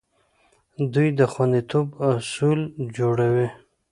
دوی د خوندیتوب اصول جوړوي.